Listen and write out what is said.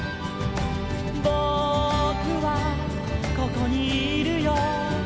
「ぼくはここにいるよ」